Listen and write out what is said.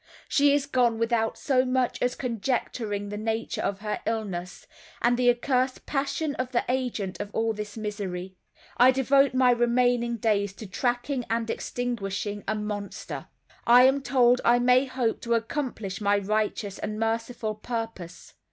She is gone without so much as conjecturing the nature of her illness, and the accursed passion of the agent of all this misery. I devote my remaining days to tracking and extinguishing a monster. I am told I may hope to accomplish my righteous and merciful purpose.